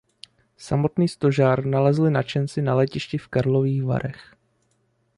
Samotný stožár nalezli nadšenci na letišti v Karlových Varech.